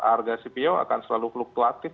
harga cpo akan selalu fluktuatif